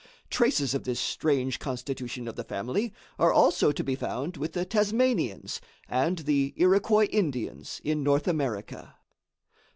Traces of this strange constitution of the family are also to be found with the Tasmanians and the Irquois Indians in North America.